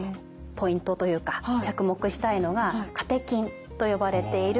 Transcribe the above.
ポイントというか着目したいのがカテキンと呼ばれている栄養素です。